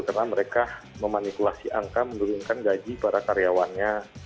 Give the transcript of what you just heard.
karena mereka memanipulasi angka menurunkan gaji para karyawannya